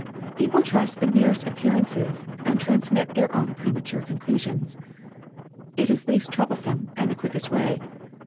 People trust the merest appearances and transmit their own premature conclusions. It is least trouble some and the quickest way.